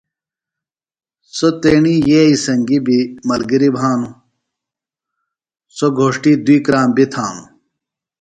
سوۡ تیݨی ییئے سنگیۡ بیۡ ملگِری بھانوۡ۔ سوۡ گھوݜٹی دوئی کرام بیۡ تھانوۡ۔